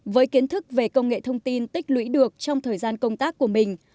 với kiến thức về công nghệ thông tin tích lũy được trong thời gian công tác của mình